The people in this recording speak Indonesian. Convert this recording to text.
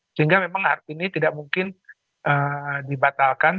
sehingga memang hari ini tidak mungkin dibatalkan